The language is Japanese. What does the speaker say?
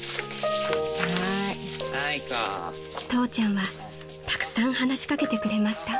［父ちゃんはたくさん話し掛けてくれました］